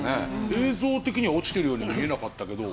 映像的には落ちてるように見えなかったけど。